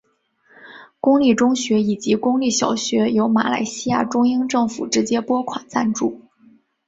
公立中学以及公立小学由马来西亚中央政府直接拨款赞助。